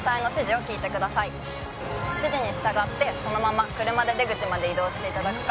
指示に従ってそのまま車で出口まで移動して頂くか